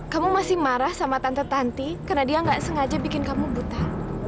kamu masih marah sama tante tante karena dia nggak sengaja bikin kamu buta